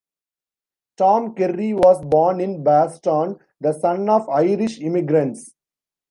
Tom Kerry was born in Boston, the son of Irish immigrants.